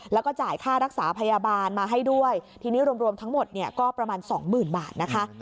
แล้วก็จ่ายค่ารักษาพยาบาลมาให้ด้วยทีนี้รวมทั้งหมดเนี่ยก็ประมาณสองหมื่นบาทนะคะ